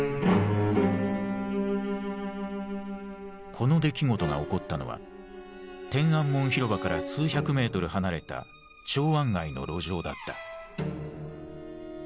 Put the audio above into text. この出来事が起こったのは天安門広場から数百メートル離れた長安街の路上だった。